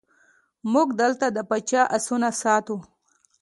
موږ دلته د پاچا آسونه ساتو.